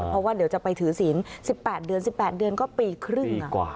เพราะว่าเดี๋ยวจะไปถือศีล๑๘เดือน๑๘เดือนก็ปีครึ่ง